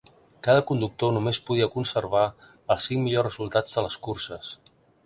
Cada conductor només podia conservar els cinc millors resultats de les curses.